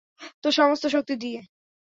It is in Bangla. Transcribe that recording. তোর সমস্ত শক্তি দিয়ে।